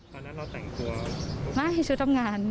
ตอนนั้นเราแต่งตัวไม่ให้ชุดทำงาน